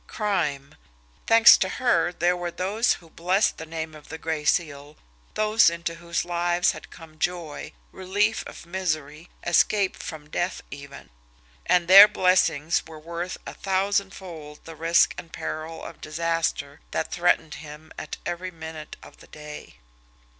Crime! Thanks to her, there were those who blessed the name of the Gray Seal, those into whose lives had come joy, relief from misery, escape from death even and their blessings were worth a thousandfold the risk and peril of disaster that threatened him at every minute of the day.